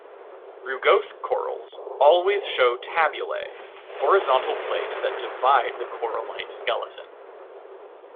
Rugose corals always show tabulae, horizontal plates that divide the corallite skeleton.